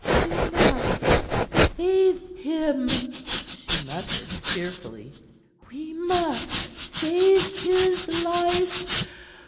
"We must save him," she muttered fearfully. "We must save his life.